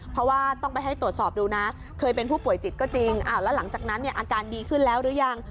เพราะว่าต้องไปให้ตรวจสอบดูนะเคยเป็นผู้ป่วยจิตก็จริงแล้วหลังจากนั้นเนี่ยอาการดีขึ้นแล้วหรือยัง